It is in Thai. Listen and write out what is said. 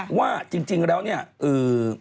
ค่ะว่าจริงแล้วเนี่ยอื้อ